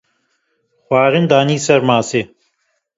xwarin danî ser masê.